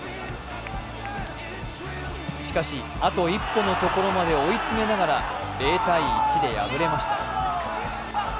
しかし、あと一歩のところまで追い詰めながら０−１で敗れました。